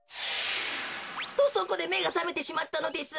とそこでめがさめてしまったのです。